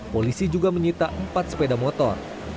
polisi juga menyita empat sepeda motor